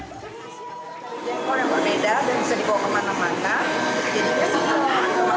untuk jengkol yang berbeda dan bisa dibawa kemana mana